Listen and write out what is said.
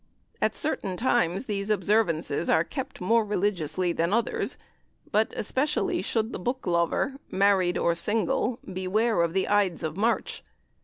At certain times these observances are kept more religiously than others; but especially should the book lover, married or single, beware of the Ides of March.